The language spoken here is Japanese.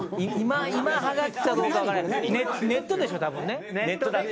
ネットでしょ、多分。